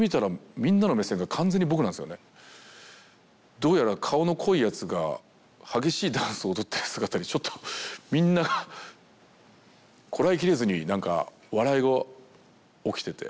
どうやら顔の濃いやつが激しいダンスを踊ってる姿にちょっとみんなこらえきれずになんか笑いが起きてて。